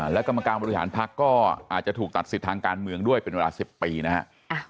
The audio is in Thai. และกรรมการบริหารพักก็อาจจะถูกตัดสิทธิ์ทางการเมืองด้วยเป็นเวลา๑๐ปีนะฮะ